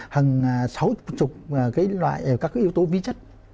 hằng sáu mươi loại các yếu tố ví chất